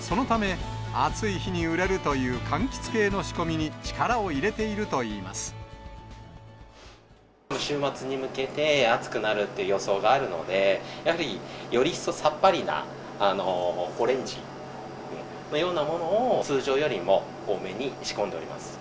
そのため、暑い日に売れるというかんきつ系の仕込みに力を入れているといい週末に向けて、暑くなるっていう予想があるので、やはりより一層、さっぱりなオレンジのようなものを、通常よりも多めに仕込んでおります。